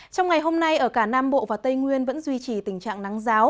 trong ngày hôm nay ở cả nam bộ và tây nguyên vẫn duy trì tình trạng nắng giáo